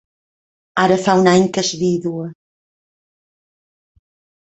Ara fa un any que és vídua.